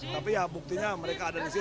tapi ya buktinya mereka ada disini